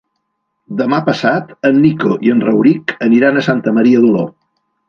Demà passat en Nico i en Rauric aniran a Santa Maria d'Oló.